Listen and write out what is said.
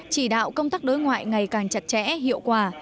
chỉ đạo công tác đối ngoại ngày càng chặt chẽ hiệu quả